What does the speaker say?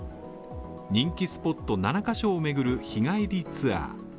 人気スポット７ヶ所を巡る日帰りツアー。